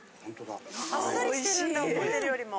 あっさりしてるんだ思ってるよりも。